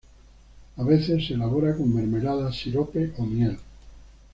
A veces se elabora con mermelada, sirope o miel.